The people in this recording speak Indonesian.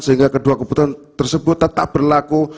sehingga kedua kebutuhan tersebut tetap berlaku